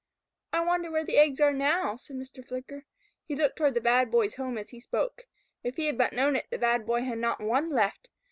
"I wonder where the eggs are now," said Mr. Flicker. He looked toward the Bad Boy's home as he spoke. If he had but known it, the Bad Boy had not one left.